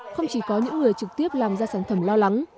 không chỉ có những người trực tiếp làm ra sản phẩm lo lắng